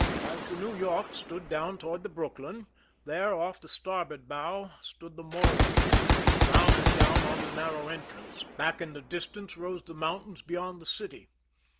As the New York stood down toward 28 THE SCHEME AND THE PEEPAEATIONS the Brooklyn, there, off the starboard bow, stood the Morro, frowning down on the narrow entrance ; back in the distance rose the mountains beyond the city.